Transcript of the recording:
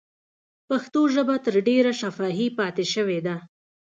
پښتو ژبه تر ډېره شفاهي پاتې شوې ده.